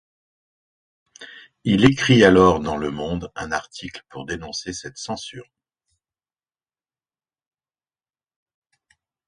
Il écrit alors dans Le Monde un article pour dénoncer cette censure.